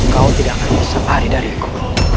kau tidak akan bisa pari dariku